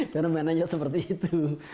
karena menanya seperti itu